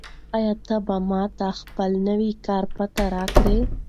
آیا ته به ماته خپله نوې کاري پته راکړې؟